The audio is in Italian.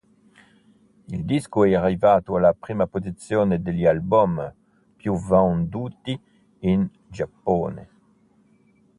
Il disco è arrivato alla prima posizione degli album più venduti in Giappone.